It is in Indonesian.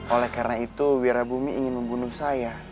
oleh karena itu wirabumi ingin membunuh saya